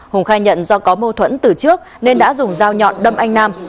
hùng khai nhận do có mâu thuẫn từ trước nên đã dùng dao nhọn đâm anh nam